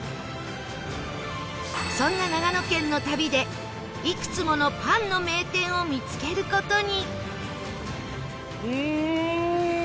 そんな長野県の旅でいくつものパンの名店を見つける事に！